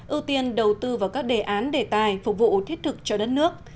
ưu tiên đầu tư vào các đề án đề tài phục vụ thiết thực cho đất nước